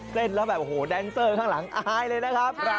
เล่นแล้วแบบโอ้โหแดนเซอร์ข้างหลังอายเลยนะครับ